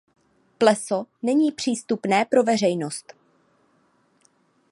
Pleso není přístupné pro veřejnost.